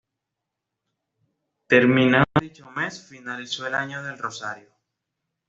Terminado dicho mes finalizó el año del rosario.